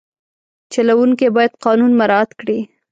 چلوونکی باید قانون مراعت کړي.